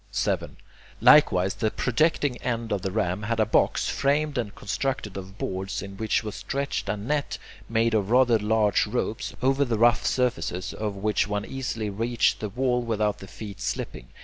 7. Likewise, the projecting end of the ram had a box framed and constructed of boards, in which was stretched a net made of rather large ropes, over the rough surfaces of which one easily reached the wall without the feet slipping.